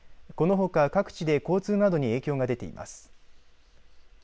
このほか各地で交通などに影響が出ています。